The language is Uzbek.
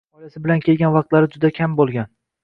Oilasi bilan kelgan vaqtlari juda kam bo‘lgan